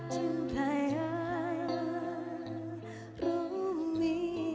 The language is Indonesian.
cinta yang rumi